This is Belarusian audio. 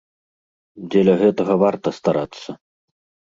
Дзеля гэтага варта старацца!